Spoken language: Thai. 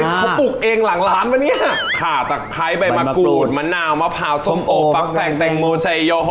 เขาปลูกเองหลังร้านปะเนี่ยค่ะตะไคร้ใบมะกรูดมะนาวมะพร้าวส้มโอบฟักแฝงแตงโมไซโย